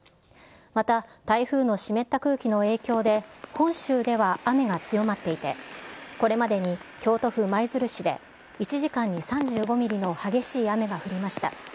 また、台風の湿った空気の影響で、本州では雨が強まっていて、これまでに京都府舞鶴市で１時間に３５ミリの激しい雨が降りました。